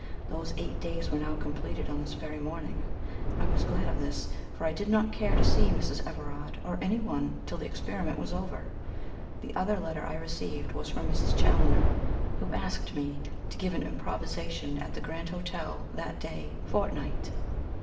Those eight days were now completed on this very morning. I was glad of this; for I did not care to see Mrs. Everard or anyone till the experiment was over. The other letter I received was from Mrs. Challoner, who asked me to give an "Improvisation" at the Grand Hotel that day fortnight.